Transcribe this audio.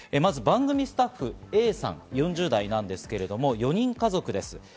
番組スタッフＡさん４０代なんですけど、４人家族です。